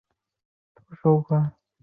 疫苗有效防止流感等疾病。